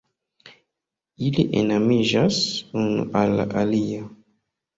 Ili enamiĝas unu al la alia.